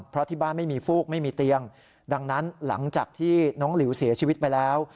เพราะที่บ้านไม่มีฟูกไม่มีเตียงดังนั้นหลังจากที่น้องหลิวเสียชีวิตไปแล้ว